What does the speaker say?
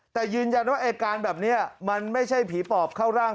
แต่ยืนยันว่าไอ้การแบบนี้มันไม่ใช่ผีปอบเข้าร่าง